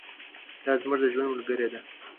دا زموږ د ژوند ملګرې ده.